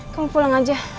kamu pulang aja